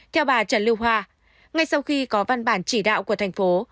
theo bà trần lưu hoa ngay sau khi có văn bản chỉ đạo của thành phố